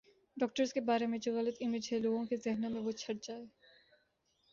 doctors کے بارے میں جو غلط امیج ہے لوگوں کے ذہنوں میں وہ چھٹ جائے